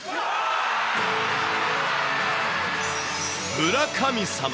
村神様。